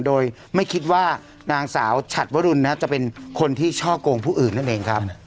โดยไม่คิดว่านางสาวฉัดวรุณจะเป็นคนที่ช่อกงผู้อื่นนั่นเองครับ